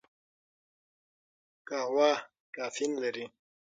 قهوه کافین لري